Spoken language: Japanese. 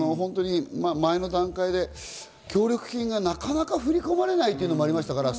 前の段階で協力金がなかなか振り込まれないというのもありました。